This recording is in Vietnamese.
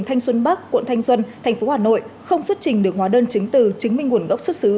tp thanh xuân bắc tp thanh xuân tp hà nội không xuất trình được hóa đơn chứng tử chứng minh nguồn gốc xuất xứ